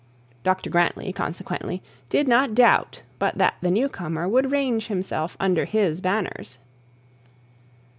Dr Grantly, consequently, did not doubt but that the new comer would range himself under his banners.